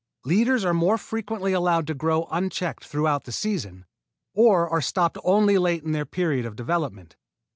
Leaders are more frequently allowed to grow unchecked throughout the season, or are stopped only late in their period of development.